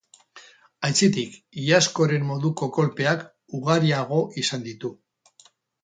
Aitzitik, iazkoaren moduko kolpeak ugariago izan ditu.